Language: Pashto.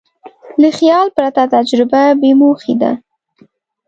له خیال پرته تجربه بېموخې ده.